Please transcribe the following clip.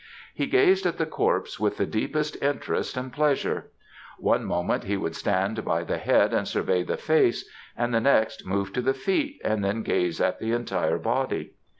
He gazed at the corpse with the deepest interest and pleasure. One moment he would stand by the head and survey the face, and the next move to the feet, and then gaze at the entire body.